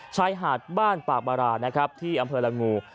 ชายหาดบ้านปากบารานะครับที่อำเภอละงู